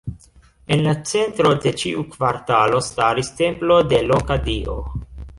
En la centro de ĉiu kvartalo staris templo de loka dio.